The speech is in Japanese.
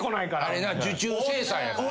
あれな受注生産やからな。